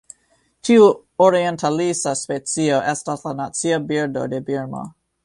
Tiu orientalisa specio estas la nacia birdo de Birmo.